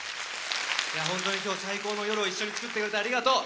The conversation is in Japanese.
本当に今日最高の夜を作ってくれて、ありがとう。